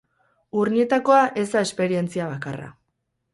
Urnietakoa ez da esperientzia bakarra.